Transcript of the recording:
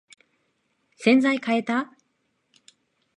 洗剤かえた？